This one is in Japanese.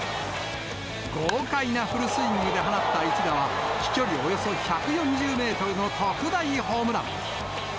豪快なフルスイングで放った一打は、飛距離およそ１４０メートルの特大ホームラン。